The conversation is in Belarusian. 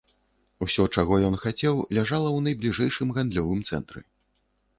Усё, чаго ён хацеў, ляжала ў найбліжэйшым гандлёвым цэнтры.